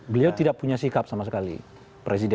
beliau tidak punya sikap sama sekali presiden